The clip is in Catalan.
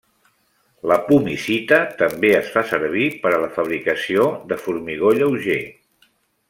La pumicita també es fa servir per a la fabricació de formigó lleuger.